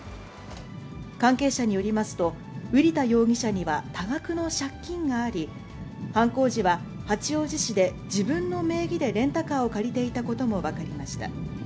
関係者によりますと、瓜田容疑者には多額の借金があり、犯行時は八王子市で自分の名義でレンタカーを借りていたことも分かりました。